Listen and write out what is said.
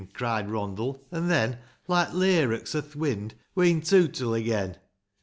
" Cried Rondle, " an' then, Like layrocks o'th wing, We'n tootle again !